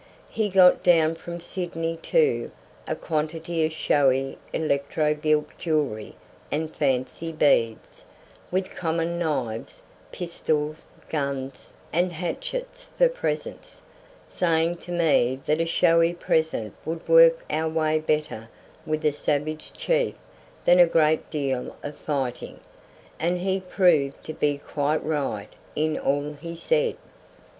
He got down from Sydney, too, a quantity of showy electro gilt jewellery and fancy beads, with common knives, pistols, guns, and hatchets for presents, saying to me that a showy present would work our way better with a savage chief than a great deal of fighting, and he proved to be quite right in all he said.